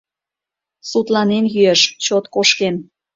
Сутланен йӱеш, чот кошкен.